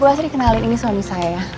bu asri kenalin ini suami saya ya